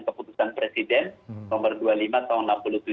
keputusan presiden nomor dua puluh lima tahun seribu sembilan ratus enam puluh tujuh